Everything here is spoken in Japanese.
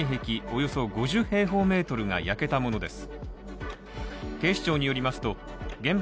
およそ５０平方メートルが焼けたものです。